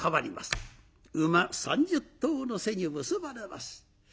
馬３０頭の背に結ばれます。